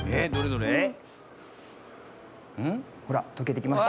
ほらとけてきました。